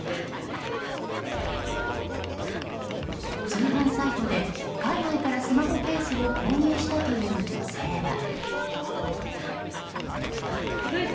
通販サイトで海外からスマホケースを購入したという女性は。